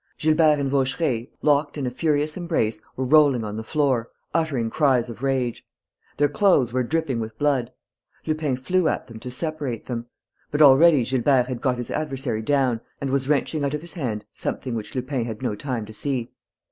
Gilbert and Vaucheray, locked in a furious embrace, were rolling on the floor, uttering cries of rage. Their clothes were dripping with blood. Lupin flew at them to separate them. But already Gilbert had got his adversary down and was wrenching out of his hand something which Lupin had no time to see.